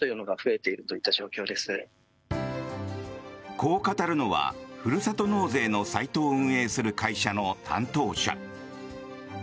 こう語るのはふるさと納税のサイトを運営する会社の担当者。